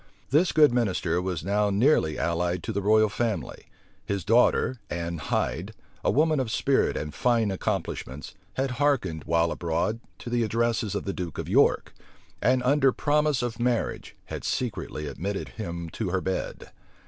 This good minister was now nearly allied to the royal family. His daughter, Ann Hyde, a woman of spirit and fine accomplishments, had hearkened, while abroad, to the addresses of the duke of York, and under promise of marriage, had secretly admitted him to her bed.